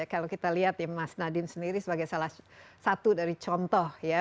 kalau kita lihat ya mas nadiem sendiri sebagai salah satu dari contoh ya